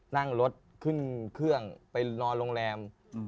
นั่งรถขึ้นเครื่องไปนอนโรงแรม